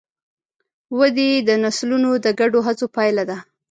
ودې د نسلونو د ګډو هڅو پایله ده.